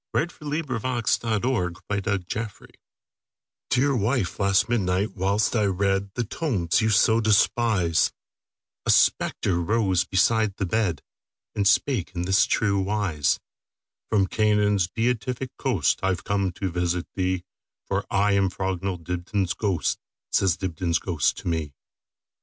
By EugeneField 1045 Dibdin's Ghost DEAR wife, last midnight, whilst I readThe tomes you so despise,A spectre rose beside the bed, And spake in this true wise:"From Canaan's beatific coastI 've come to visit thee, For I am Frognall Dibdin's ghost,"Says Dibdin's ghost to me.